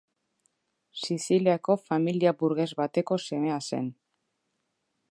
Siziliako familia burges bateko semea zen.